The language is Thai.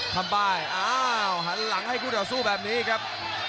ทำป้ายอ้าวหันหลังให้คู่ต่อสู้แบบนี้ครับ